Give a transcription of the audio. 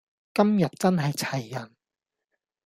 今日真係齊人